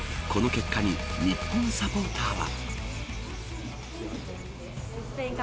この結果に日本サポーターは。